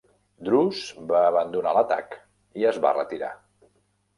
Drus va abandonar l'atac i es va retirar.